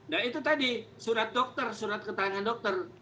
nah itu tadi surat dokter surat keterangan dokter